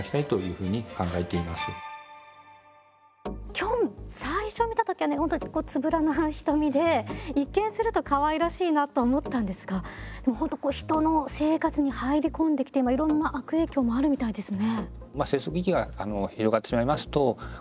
キョン最初見た時は本当につぶらな瞳で一見するとかわいらしいなと思ったんですが本当人の生活に入り込んできていろんな悪影響もあるみたいですね。